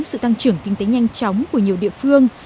sự tăng trưởng kinh tế nhanh chóng của nhiều địa phương